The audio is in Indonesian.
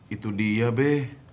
itu dia be